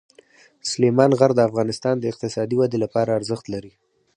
سلیمان غر د افغانستان د اقتصادي ودې لپاره ارزښت لري.